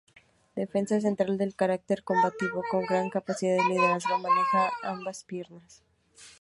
Defensa central de carácter combativo con gran capacidad de Liderazgo, maneja ambas piernas.